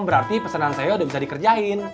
berarti pesanan saya udah bisa dikerjain